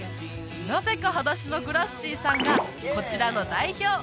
なぜかはだしのグラッシーさんがこちらの代表